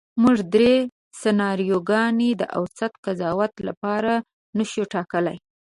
موږ درې سناریوګانې د اوسط قضاوت لپاره نشو ټاکلی.